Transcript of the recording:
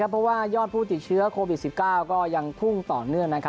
เพราะว่ายอดผู้ติดเชื้อโควิด๑๙ก็ยังพุ่งต่อเนื่อง